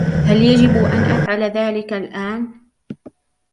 هل يجب أن أفعل ذلك الآن ؟